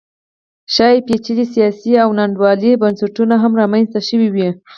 ښايي پېچلي سیاسي او ناانډوله بنسټونه هم رامنځته شوي وي